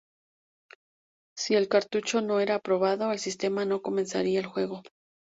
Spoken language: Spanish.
Sí el cartucho no era aprobado el sistema no comenzaría el juego.